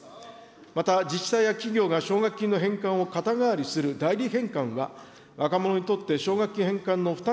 また、自治体や企業が奨学金の返還を肩代わりする代理返還は、若者にとって奨学金返還の負担